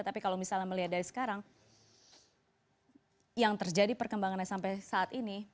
tapi kalau misalnya melihat dari sekarang yang terjadi perkembangannya sampai saat ini